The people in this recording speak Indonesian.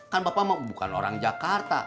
kan bapak bukan orang jakarta